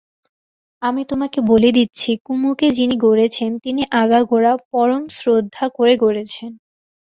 আমি তোমাকে বলে দিচ্ছি, কুমুকে যিনি গড়েছেন তিনি আগাগোড়া পরম শ্রদ্ধা করে গড়েছেন।